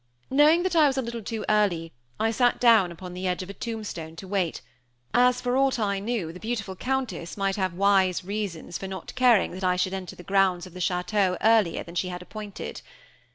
Knowing that I was a little too early, I sat down upon the edge of a tombstone to wait, as, for aught I knew, the beautiful Countess might have wise reasons for not caring that I should enter the grounds of the château earlier than she had appointed.